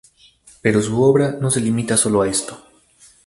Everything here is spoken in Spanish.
Pero su obra no se limita sólo ha esto.